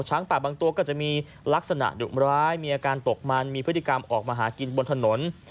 ป่าบางตัวก็จะมีลักษณะดุร้ายมีอาการตกมันมีพฤติกรรมออกมาหากินบนถนน